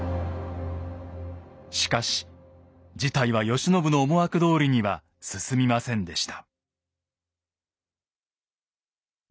しかし事態は慶喜の思惑どおりには進みませんでした。